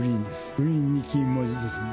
グリーンに金文字ですね。